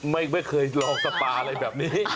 ไม่เคยลองสปาอะไรแบบนี้